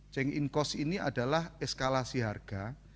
change in cost ini adalah eskalasi harga